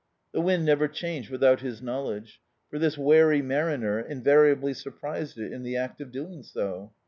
The wind never changed without his knowledge; for this wary mariner in variably surprised it in the act of doing so.